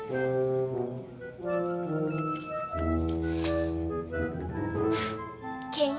aduh kau punya uang seribu lagi